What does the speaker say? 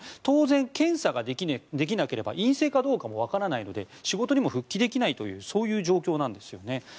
当然、検査ができなければ陰性かどうかもわからないので仕事にも復帰できないという状況なんですよね。